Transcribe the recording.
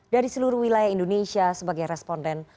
dari seluruh wilayah indonesia sebagai responden